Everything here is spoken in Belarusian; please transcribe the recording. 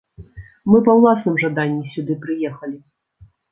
Мы па ўласным жаданні сюды прыехалі.